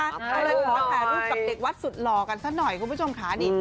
ก็เลยขอถ่ายรูปกับเด็กวัดสุดหล่อกันซะหน่อยคุณผู้ชมค่ะนี่